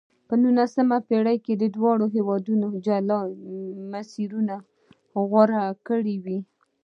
په نولسمه پېړۍ کې دواړو هېوادونو جلا مسیرونه غوره کړې وې.